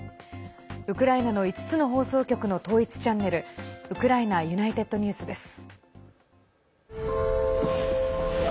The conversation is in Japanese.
ウクライナの５つの放送局の統一チャンネルウクライナＵｎｉｔｅｄＮｅｗｓです。